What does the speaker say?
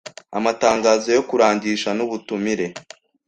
amatangazo yo kurangisha n’ubutumire